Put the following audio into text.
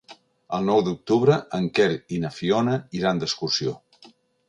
El nou d'octubre en Quer i na Fiona iran d'excursió.